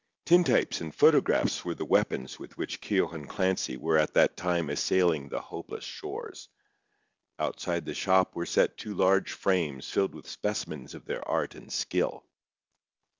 Tintypes and photographs were the weapons with which Keogh and Clancy were at that time assailing the hopeless shores. Outside the shop were set two large frames filled with specimens of their art and skill.